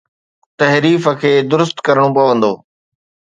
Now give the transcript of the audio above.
تحريف کي درست ڪرڻو پوندو.